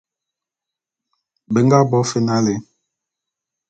Be nga bo fe nalé.